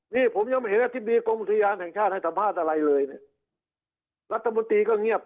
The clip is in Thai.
นี่ผมยังไม่เห็นอธิบดีกรมอุทยานแห่งชาติให้สัมภาษณ์อะไรเลยเนี่ยรัฐมนตรีก็เงียบ